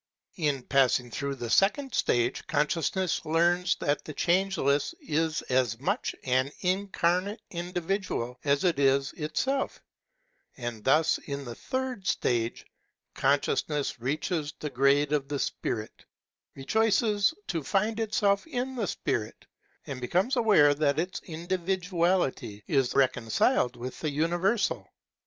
In passing through the second stage, consciousness learns that the Change less is as much an incarnate individual as it is itself; and thus, in the third stage, consciousness reaches the grade of the Spirit, rejoices to find itself in the Spirit, and becomes aware that its individuality is reconciled with the Universal.